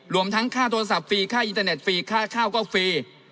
รวมทั้งค่าโทรศัพท์ฟรีค่าอินเทอร์เน็ตฟรีค่าข้าวก็ฟรี